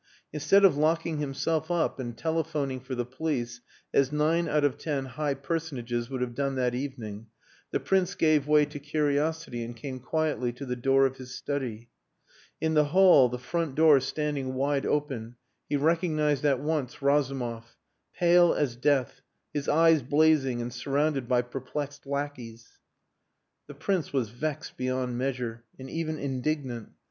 Instead of locking himself up and telephoning for the police, as nine out of ten high personages would have done that evening, the Prince gave way to curiosity and came quietly to the door of his study. In the hall, the front door standing wide open, he recognised at once Razumov, pale as death, his eyes blazing, and surrounded by perplexed lackeys. The Prince was vexed beyond measure, and even indignant.